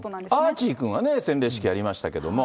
アーチーくんはね、洗礼式やりましたけども。